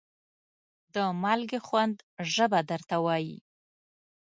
د مالګې خوند ژبه درته وایي.